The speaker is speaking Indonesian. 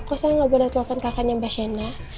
kok saya gak boleh telofan kakaknya mbak shena